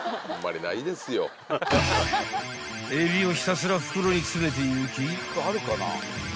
［エビをひたすら袋に詰めていき］